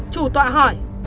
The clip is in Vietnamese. chủ tọa hỏi